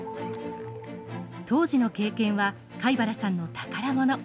当時の経験は飼原さんの宝物。